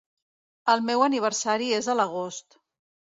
El meu aniversari és a l'agost.